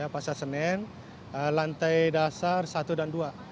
pasar senen lantai dasar satu dan dua